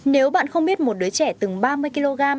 nếu bạn không biết một đứa trẻ từng ba mươi kg